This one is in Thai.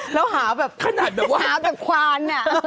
เราหาแบบควาน